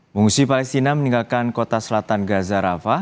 pengungsi palestina meninggalkan kota selatan gaza rafah